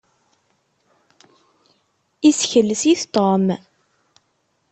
Isekles-it Tom.